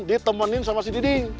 ditemenin sama si diding